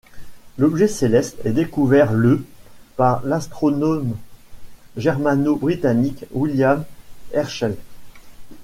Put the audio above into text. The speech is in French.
L'objet céleste est découvert le par l'astronome germano-britannique William Herschel.